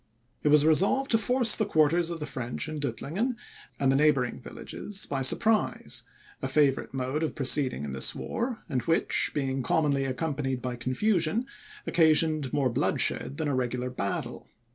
It was resolved to force the quarters of the French in Duttlingen, and the neighbouring villages, by surprise; a favourite mode of proceeding in this war, and which, being commonly accompanied by confusion, occasioned more bloodshed than a regular battle.